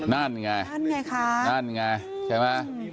นั่นไงใช่ไหม